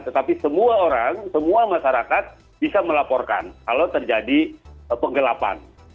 tetapi semua orang semua masyarakat bisa melaporkan kalau terjadi penggelapan